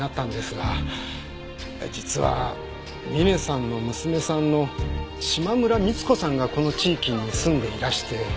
実はミネさんの娘さんの島村光子さんがこの地域に住んでいらして。